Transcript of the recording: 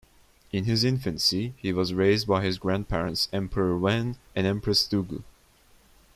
In his infancy, he was raised by his grandparents Emperor Wen and Empress Dugu.